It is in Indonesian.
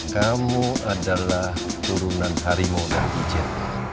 kamu adalah turunan harimau dan icip